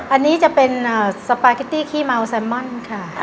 อันนี้จะเป็นสปาเกตตี้ขี้เมาแซมมอนค่ะ